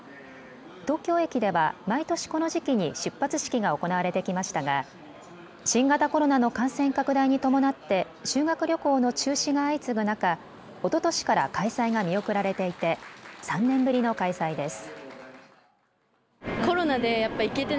東京駅では毎年この時期に出発式が行われてきましたが新型コロナの感染拡大に伴って修学旅行の中止が相次ぐ中、おととしから開催が見送られていて３年ぶりの開催です。